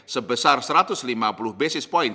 sebesar satu ratus lima puluh basis point